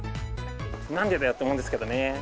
なんでだよって思うんですけどね。